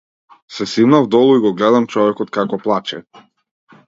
Се симнав долу и го гледам човекот како плаче.